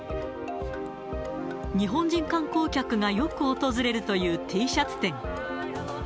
日本人観光客がよく訪れるというＴシャツ店。